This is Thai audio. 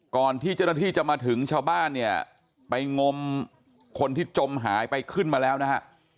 ก่อนที่เจ้าหน้าที่จะมาถึงชาวบ้านเนี่ยไปงมคนที่จมหายไปขึ้นมาแล้วนะฮะ